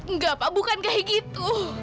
enggak pak bukan kayak gitu